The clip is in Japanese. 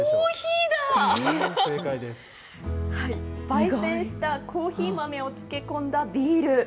ばい煎したコーヒー豆を漬け込んだビール。